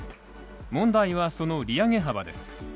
問題は、その利上げ幅です。